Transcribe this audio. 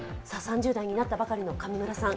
３０代になったばかりの上村さん